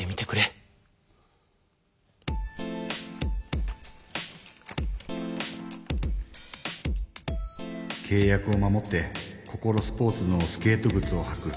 心の声けい約を守ってココロスポーツのスケートぐつをはく。